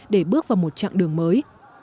để bước vào một chặng đường mới